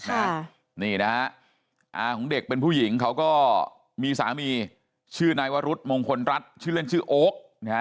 นี่นะฮะอาของเด็กเป็นผู้หญิงเขาก็มีสามีชื่อนายวรุษมงคลรัฐชื่อเล่นชื่อโอ๊คนะฮะ